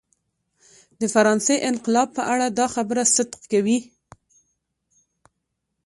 د فرانسې انقلاب په اړه دا خبره صدق کوي.